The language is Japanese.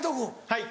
はい。